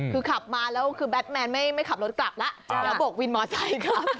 คือขับมาแล้วคือแบทแมนไม่ขับรถกลับแล้วแล้วบกวินมอไซค์ค่ะ